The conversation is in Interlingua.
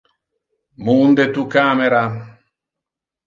Munde tu camera.